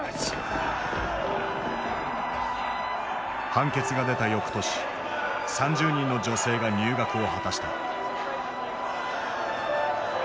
判決が出たよくとし３０人の女性が入学を果たした。